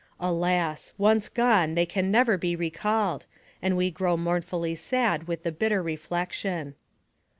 Alas! once gone, they can never be recalled, and we grow mournfully sad with the bitter reflection.